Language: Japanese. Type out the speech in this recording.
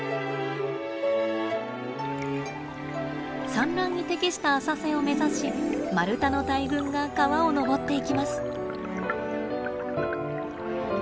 産卵に適した浅瀬を目指しマルタの大群が川を上っていきます。